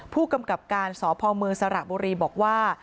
ผู้กำกับการสพเมืองสระบุรีบอกว่า